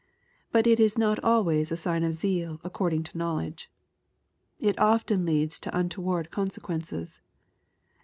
But it is not always a sign of zeal according to knowledge. It often leads to untoward consequences.